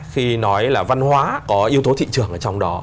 khi nói là văn hóa có yếu tố thị trường ở trong đó